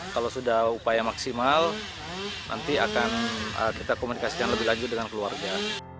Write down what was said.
kalau sudah upaya maksimal nanti akan kita komunikasikan lebih lanjut dengan keluarga